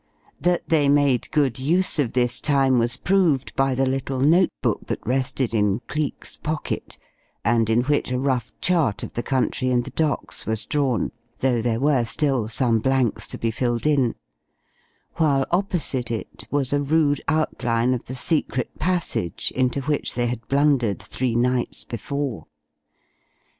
That they made good use of this time was proved by the little note book that rested in Cleek's pocket, and in which a rough chart of the country and the docks was drawn though there were still some blanks to be filled in while opposite it was a rude outline of the secret passage into which they had blundered three nights before.